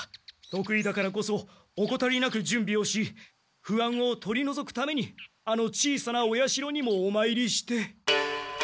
得意だからこそおこたりなくじゅんびをし不安を取りのぞくためにあの小さなお社にもおまいりして。